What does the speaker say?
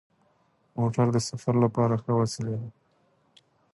موټر د سفر لپاره ښه وسیله ده.